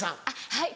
はい。